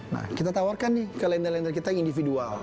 nah kita tawarkan nih ke lender lender kita yang individual